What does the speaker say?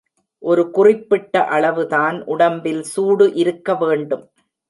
ஒரு குறிப்பிட்ட அளவு தான் உடம்பில் சூடு இருக்க வேண்டும்.